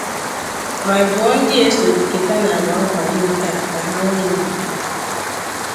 ma dụọ ndị esoghị kèta n'àgbà nkwàdo nke a ka ha nwee ndidi